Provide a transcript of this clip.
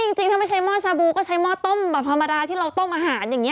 จริงถ้าไม่ใช้หม้อชาบูก็ใช้หม้อต้มแบบธรรมดาที่เราต้มอาหารอย่างนี้